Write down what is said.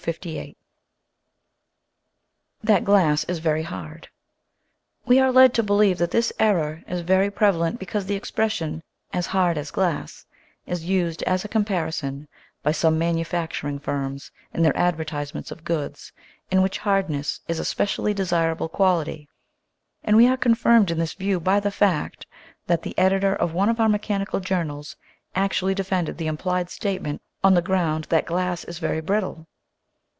214 THAT GLASS IS VERY HARD E are led to believe that this error is very preva lent because the expression "as hard as glass" is used as a comparison by some manufacturing firms in their advertisements of goods in which hardness is a specially desirable quality. And we are confirmed in this view by the fact that the editor of one of our mechanical journals actually defended the implied statement on the ground that glass is very brittle!